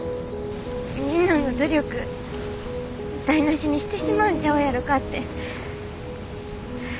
みんなの努力台なしにしてしまうんちゃうやろかって。